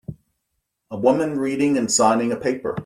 A woman reading and signing a paper.